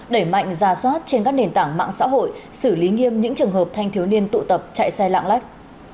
đẩy mạnh ra soát trên các nền tảng mạng xã hội xử lý nghiêm những trường hợp thanh thiếu niên tụ tập chạy xe lạng lách